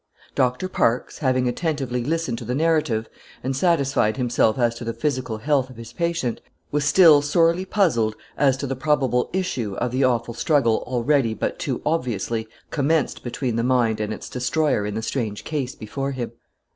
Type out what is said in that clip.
Doctor Parkes, having attentively listened to the narrative, and satisfied himself as to the physical health of his patient, was still sorely puzzled as to the probable issue of the awful struggle already but too obviously commenced between the mind and its destroyer in the strange case before him.